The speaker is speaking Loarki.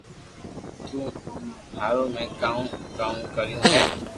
تو ھارو ۾ ڪاو ڪاو ڪريو ھي